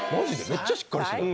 めっちゃしっかりしてたな